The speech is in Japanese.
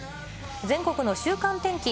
全国の週間天気。